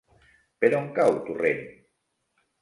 Per on cau Torrent?